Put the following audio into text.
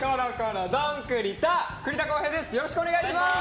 よろしくお願いします。